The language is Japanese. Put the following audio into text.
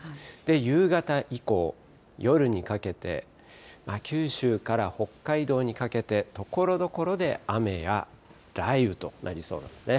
夕方以降、夜にかけて、九州から北海道にかけて、ところどころで雨や雷雨となりそうなんですね。